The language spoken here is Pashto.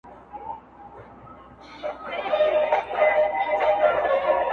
هره ورځ به درلېږي سل رحمتونه!.